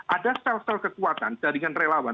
ada sel sel kekuatan jaringan relawan